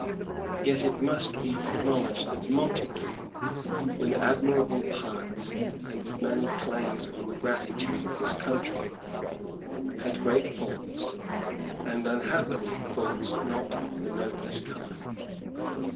Yet it must be acknowledged that Montague, with admirable parts and with many claims on the gratitude of his country, had great faults, and unhappily faults not of the noblest kind.